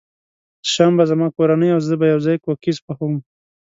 شنبه، زما کورنۍ او زه به یوځای کوکیز پخوم.